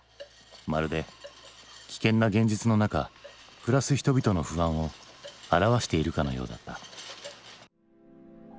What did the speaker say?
まるで危険な現実の中暮らす人々の不安を表しているかのようだった。